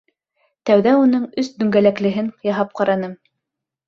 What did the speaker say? Тәүҙә уның өс дүңгәләклеһен яһап ҡараным.